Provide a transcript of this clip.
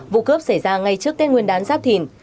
vụ cướp xảy ra ngay trước tên nguyên đán giáp thìn